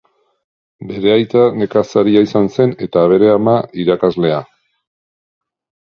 Bere aita nekazaria izan zen eta bere ama irakaslea.